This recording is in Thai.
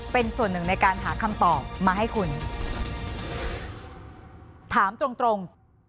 เป็นส่วนหนึ่งในการหาคำตอบมาให้คุณถามตรงตรง